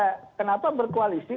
seriga kenapa berkoalisi